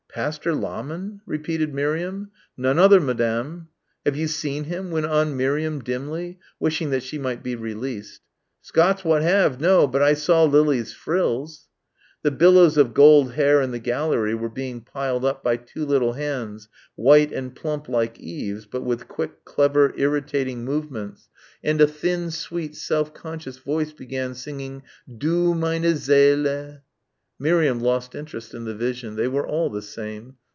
"Pastor Lahmann?" repeated Miriam. "None other, Madame." "Have you seen him?" went on Miriam dimly, wishing that she might be released. "Scots wha hae, no! But I saw Lily's frills." The billows of gold hair in the gallery were being piled up by two little hands white and plump like Eve's, but with quick clever irritating movements, and a thin sweet self conscious voice began singing "Du, meine Seele." Miriam lost interest in the vision.... They were all the same.